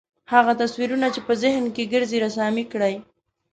هغه تصویرونه چې په ذهن کې ګرځي رسامي کړئ.